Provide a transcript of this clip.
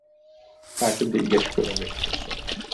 কাকে জিজ্ঞেস কইরা বেচতেছো?